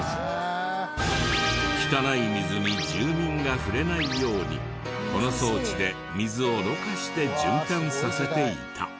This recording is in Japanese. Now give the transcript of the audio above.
汚い水に住民が触れないようにこの装置で水をろ過して循環させていた。